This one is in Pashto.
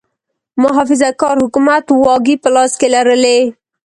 محافظه کار حکومت واګې په لاس کې لرلې.